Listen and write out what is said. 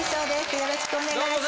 よろしくお願いします。